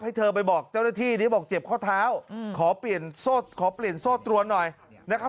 เธอไปบอกเจ้าหน้าที่นี้บอกเจ็บข้อเท้าขอเปลี่ยนขอเปลี่ยนโซ่ตรวนหน่อยนะครับ